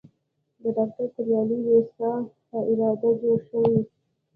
د ډاکټر توریالي ویسا په اراده جوړ شوی.